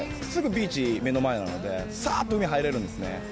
すぐビーチ目の前なのでサっと海入れるんですね。